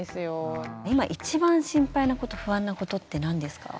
今一番心配なこと不安なことって何ですか？